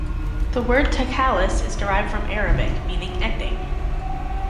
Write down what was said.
The word "takhallus" is derived from Arabic, meaning "ending".